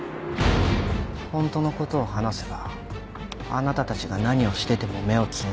本当の事を話せばあなたたちが何をしてても目をつむります。